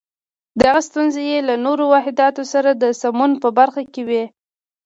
دغه ستونزې یې له نورو واحداتو سره د سمون په برخه کې وې.